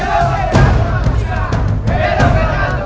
iya aku juga bingung